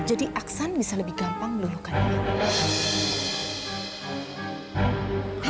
jadi aksan bisa lebih gampang meluluhkan nenek